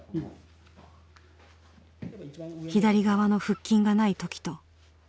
左側の腹筋がない凱人。